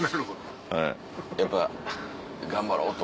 やっぱ頑張ろうと？